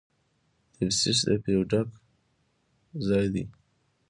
د ابسیس د پیو ډک ځای دی.